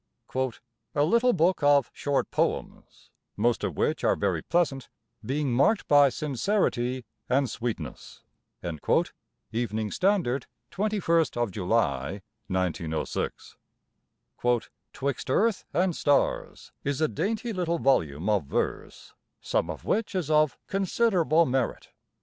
"A little book of short poems, most of which are very pleasant, being marked by sincerity and sweetness."—Evening Standard, 21st July, 1906. "''Twixt Earth and Stars' is a dainty little volume of verse, some of which is of considerable merit."